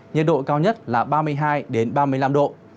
nhiệt độ cao nhất là ba mươi hai ba mươi năm độ